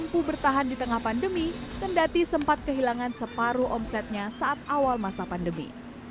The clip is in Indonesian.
mampu bertahan di tengah pandemi kendati sempat kehilangan separuh omsetnya saat awal masa pandemi